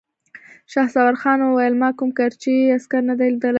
شهسوارخان وويل: ما کوم ګرجۍ عسکر نه دی ليدلی!